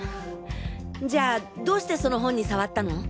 じゃあどうしてその本に触ったの？